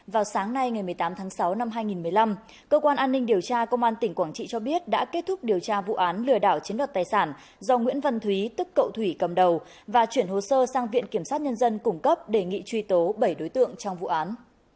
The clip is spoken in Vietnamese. vào sáng nay ngày một mươi tám tháng sáu năm hai nghìn một mươi năm cơ quan an ninh điều tra công an tỉnh quảng trị cho biết đã kết thúc điều tra vụ án lừa đảo chiếm đoạt tài sản do nguyễn văn thúy tức cậu thủy cầm đầu và chuyển hồ sơ sang viện kiểm sát nhân dân cung cấp đề nghị truy tố bảy đối tượng trong vụ án